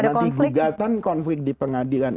kalau tidak mesrah nanti gugatan konflik di pengadilan